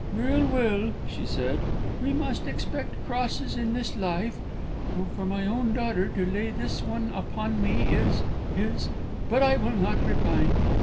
"Well, well," she said, "we must expect crosses in this life; though for my own daughter to lay this one upon me is is But I will not repine."